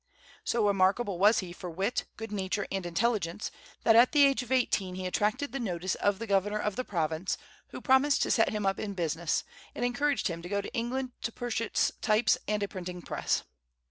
So remarkable was he for wit, good nature, and intelligence that at the age of eighteen he attracted the notice of the governor of the province, who promised to set him up in business, and encouraged him to go England to purchase types and a printing press.